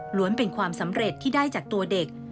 ้วนเป็นความสำเร็จที่ได้จากตัวเด็ก